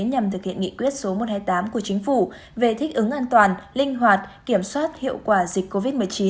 nhằm thực hiện nghị quyết số một trăm hai mươi tám của chính phủ về thích ứng an toàn linh hoạt kiểm soát hiệu quả dịch covid một mươi chín